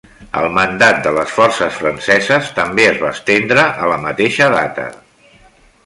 El mandat de les forces franceses també es va estendre a la mateixa data.